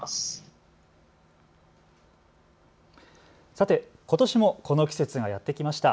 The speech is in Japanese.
さて、ことしもこの季節がやって来ました。